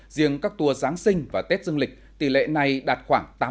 riêng các tour giáng sinh và tết dương lịch tỷ lệ này đạt khoảng tám mươi